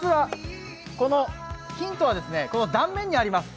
ヒントは断面にあります。